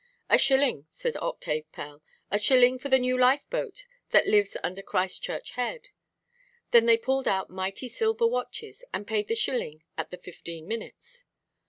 "A shilling," said Octave Pell, "a shilling for the new lifeboat that lives under Christchurch Head." Then they pulled out mighty silver watches, and paid the shilling at the fifteen minutes.